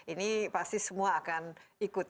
ini pasti semua akan ikut